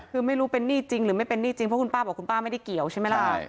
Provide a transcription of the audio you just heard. คือไม่รู้เป็นหนี้จริงหรือไม่เป็นหนี้จริงเพราะคุณป้าบอกคุณป้าไม่ได้เกี่ยวใช่ไหมล่ะ